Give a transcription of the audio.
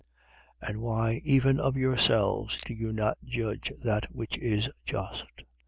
12:57. And why, even of yourselves, do you not judge that which is just? 12:58.